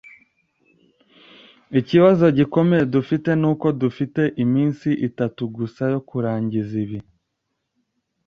Ikibazo gikomeye dufite nuko dufite iminsi itatu gusa yo kurangiza ibi.